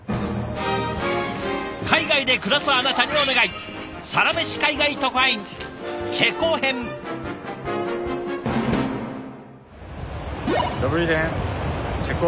海外で暮らすあなたにお願いドブリーデンチェコ